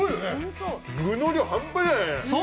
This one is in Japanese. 具の量、半端じゃないね。